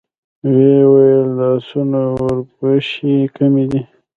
ويې ويل: د آسونو وربشې کمې دي.